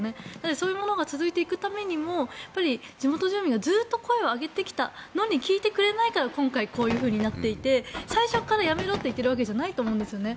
そういうものが続いていくためにも、地元住民がずっと声を上げてきたのに聞いてくれないから今回、こういうふうになっていて最初からやめろって言ってるわけじゃないと思うんですね。